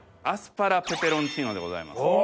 アスパラペペロンチーノでございます。